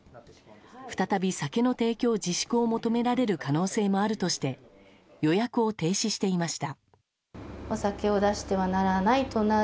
再び酒の提供自粛を求められる可能性もあるとして予約を停止していました。